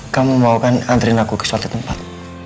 kamu mau kan antarin aku ke suatu tempat